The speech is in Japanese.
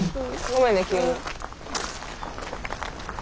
ごめんね急に。